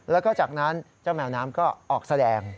แล้วก็จากนั้นเจ้าแมวน้ำก็ออกแสดง